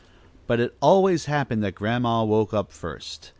But it always happened that Grandma woke up first.